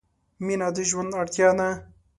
مینه د ژوند اړتیا ده.